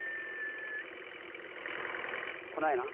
来ないな。